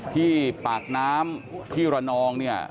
ที่ปากน้ำที่ระนอง